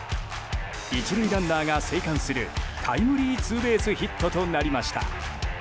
１塁ランナーが生還するタイムリーツーベースヒットとなりました。